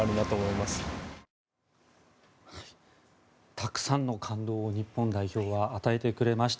たくさんの感動を日本代表は与えてくれました。